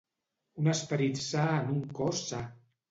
Un esperit sa en un cos sa.